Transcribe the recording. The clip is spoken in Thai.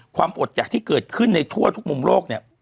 ความอดหยากที่เกิดขึ้นในทั่วทุกมุมโลกเนี่ย